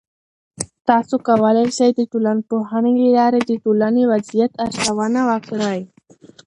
تاسې کولای سئ د ټولنپوهنې له لارې د ټولنې وضعیت ارزونه وکړئ.